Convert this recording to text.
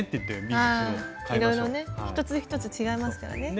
いろいろね一つ一つ違いますからね。